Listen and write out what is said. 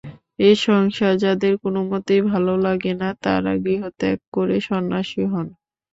এ সংসার যাঁদের কোনমতেই ভাল লাগে না, তাঁরা গৃহত্যাগ করে সন্ন্যাসী হন।